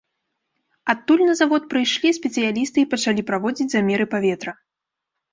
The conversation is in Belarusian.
Адтуль на завод прыйшлі спецыялісты і пачалі праводзіць замеры паветра.